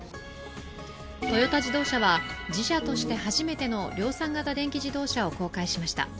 トヨタ自動車は自社として初めての量産型電気自動車を公開しました。